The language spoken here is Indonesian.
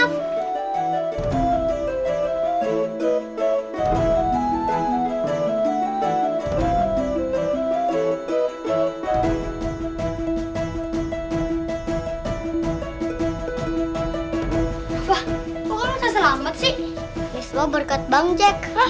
misbah berkat bang jack